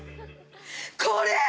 これ！